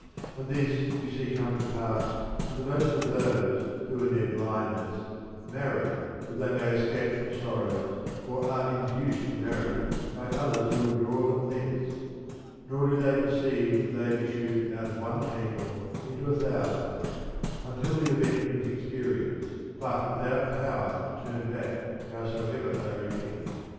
And this we see come to pass to the most of those who in their blindness marry that they may escape from sorrows, or are induced to marry by others who would draw them hence; nor do they perceive that they have issued out oft one tangle into a thousand, until the event brings experi ence, but without power to turn back howsoever they repent.